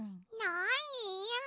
なに？